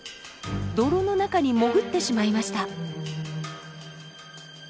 泥の中に潜ってしまいました。